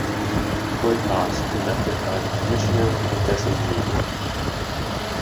Coin toss conducted by the Commissioner or designee.